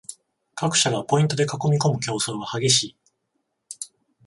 各社がポイントで囲いこむ競争が激しい